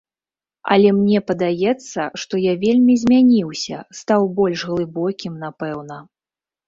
Але мне падаецца, што я вельмі змяніўся, стаў больш глыбокім, напэўна.